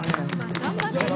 頑張ってね。